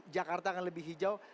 jakarta akan lebih hijau